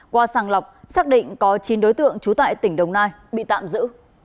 qua sàng lọc xác định có chín đối tượng trú tại tỉnh đồng nai bị tạm giữ